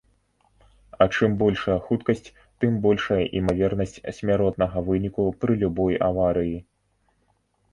А чым большая хуткасць, тым большая імавернасць смяротнага выніку пры любой аварыі.